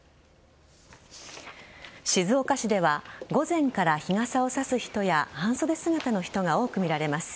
静岡市では午前から日傘を差す人や半袖姿の人が多く見られます。